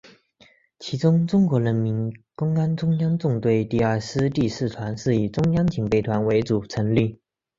其中中国人民公安中央纵队第二师第四团是以中央警备团为主成立。